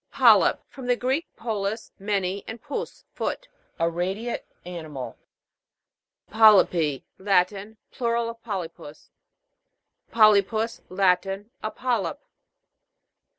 PO'LYP. From the Greek, polus t many, and pous, foot. A radiate animal. PO'LYPI. Latin. Plural of polypus. PO'LYPUS. Latin. A polyp.